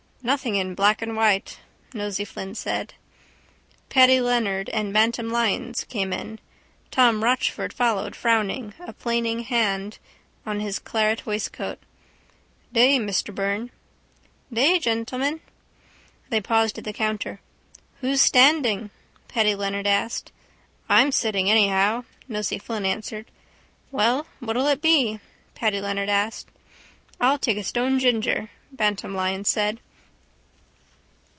—Nothing in black and white, Nosey Flynn said. Paddy Leonard and Bantam Lyons came in. Tom Rochford followed frowning, a plaining hand on his claret waistcoat. —Day, Mr Byrne. —Day, gentlemen. They paused at the counter. —Who's standing? Paddy Leonard asked. —I'm sitting anyhow, Nosey Flynn answered. —Well, what'll it be? Paddy Leonard asked. —I'll take a stone ginger, Bantam Lyons said.